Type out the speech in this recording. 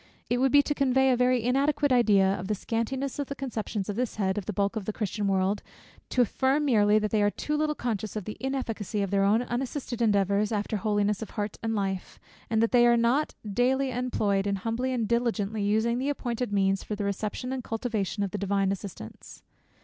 It would be to convey a very inadequate idea of the scantiness of the conceptions on this head, of the bulk of the Christian world, to affirm merely, that they are too little conscious of the inefficacy of their own unassisted endeavours after holiness of heart and life, and that they are not daily employed in humbly and diligently using the appointed means for the reception and cultivation of the divine assistance.